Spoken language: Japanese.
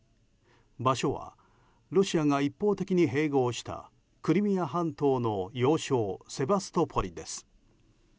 場所はロシアが一方的に併合したクリミア半島の要衝セバストポリです。